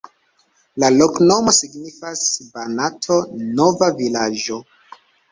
La loknomo signifas: Banato-nova-vilaĝo.